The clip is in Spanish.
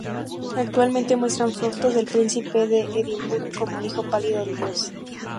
Actualmente muestran fotos del príncipe de Edimburgo como el hijo pálido del dios.